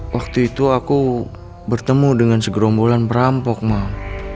waktu itu aku bertemu dengan segerombolan perampok mau